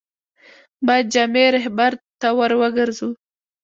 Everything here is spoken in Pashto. باید جامع رهبرد ته ور وګرځو.